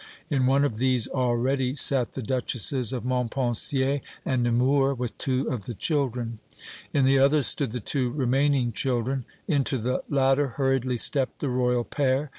In one of these already sat the Duchesses of Montpensier and Nemours with two of the children. In the other stood the two remaining children. Into the latter hurriedly stepped the Royal pair.